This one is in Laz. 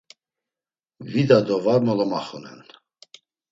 Vida do var molomaxunen.